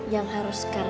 yang harus kata